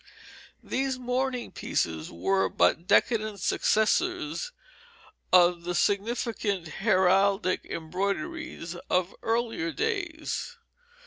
These mourning pieces were but decadent successors of the significant heraldic embroideries of earlier days.